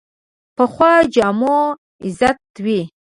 پخو جامو عزت وي